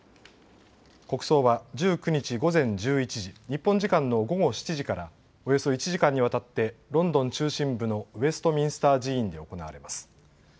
国葬は１９日午前１１時日本時間の午後７時からおよそ１時間にわたってロンドン中心部のウェストミンスター寺院で行われます。